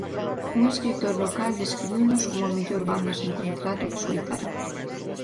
Un escritor local describiunos como a mellor banda sen contrato que escoitara.